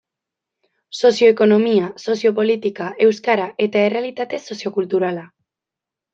Sozio-ekonomia, sozio-politika, euskara eta errealitate sozio-kulturala.